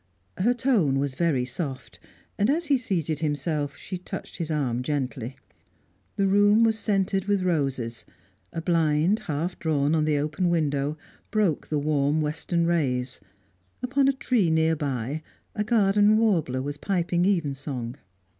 Her tone was very soft, and, as he seated himself, she touched his arm gently. The room was scented with roses. A blind, half drawn on the open window, broke the warm western rays; upon a tree near by, a garden warbler was piping evensong.